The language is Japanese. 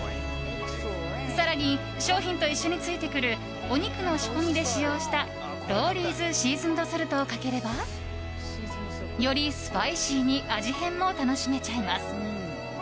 更に商品と一緒についてくるお肉の仕込みで使用したロウリーズ・シーズンド・ソルトをかければよりスパイシーに味変も楽しめちゃいます。